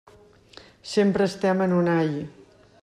Sempre estem en un ai.